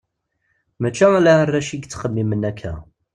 Mačči ala arrac i yettxemmimen akka.